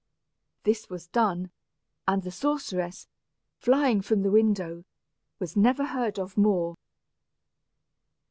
This was done, and the sorceress, flying from the window, was never heard of more.